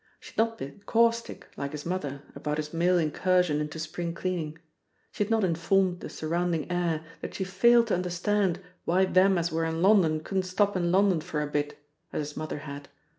She had not been caustic, like his mother, about this male incursion into spring cleaning. She had not informed the surrounding air that she failed to understand why them as were in London couldn't stop in London for a bit, as his mother had.